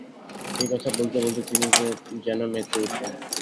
এই কথা বলতে বলতে তিনি যেন মেতে উঠলেন।